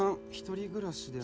１人暮らしで。